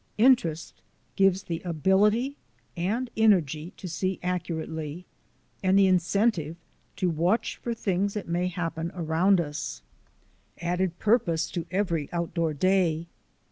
Interest gives the ability and energy to see ac curately and the incentive to watch for things that may happen around us; adds purpose to every out door day.